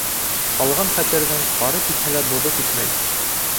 Ҡалған хәтерҙең, ҡары китһә лә, боҙо китмәй.